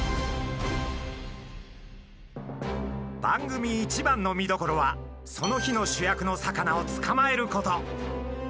番組一番の見どころはその日の主役の魚を捕まえること。